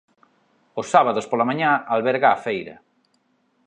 Os sábados pola mañá alberga a feira.